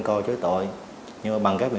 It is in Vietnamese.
để có được chuyện